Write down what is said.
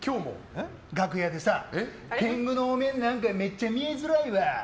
楽屋でさ天狗のお面めっちゃ見えづらいわ。